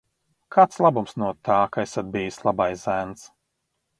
Kāds labums no tā, ka esat bijis labais zēns?